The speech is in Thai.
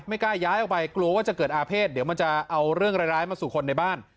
ไม่กล้าย้ายออกไปกลัวว่าจะเกิดอาเภษเดี๋ยวมันจะเอาเรื่องร้ายมาสู่คนในบ้าน